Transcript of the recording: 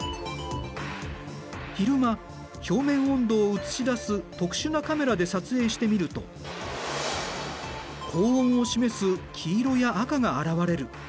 昼間表面温度を映し出す特殊なカメラで撮影してみると高温を示す黄色や赤があらわれる。